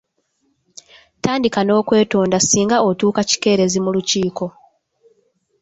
Tandika n'okwetonda singa otuuka kikeerezi my lukiiko.